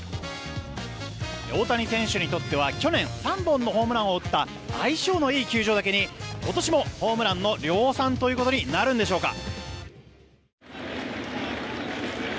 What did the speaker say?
大谷選手にとっては去年、３本のホームランを打った相性のいい球場だけに今年もホームランの量産ということになるんでしょうか。